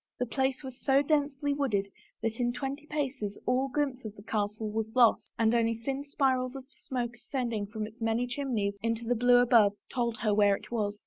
The place was so densely wooded that in twenty paces all glimpse of the castle was lost and only thin spirals of smoke ascending from its many chimneys into the blue above told her where it was.